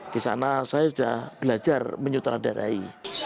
di sana saya sudah belajar menyutradarai